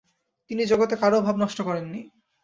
তিনি জগতে কারও ভাব নষ্ট করেননি।